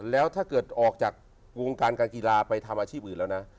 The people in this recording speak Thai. แล้วถ้าเกิดออกจากวงการการกีฬาไปทำอาชีพอื่นแล้วนะ